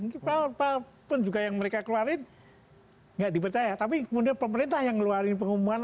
kita apapun juga yang mereka keluarin nggak dipercaya tapi kemudian pemerintah yang ngeluarin pengumuman